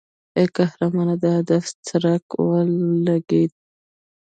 ای قهرمانې د هدف څرک ولګېد.